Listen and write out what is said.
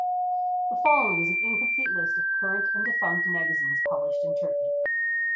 The following is an incomplete list of current and defunct magazines published in Turkey.